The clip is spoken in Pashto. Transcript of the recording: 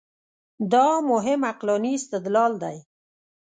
دا مهم عقلاني استدلال دی.